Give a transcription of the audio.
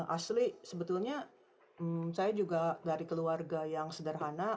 asli sebetulnya saya juga dari keluarga yang sederhana